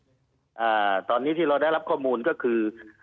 อ่าตอนนี้ที่เราได้รับข้อมูลก็คือ